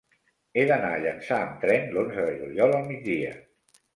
He d'anar a Llançà amb tren l'onze de juliol al migdia.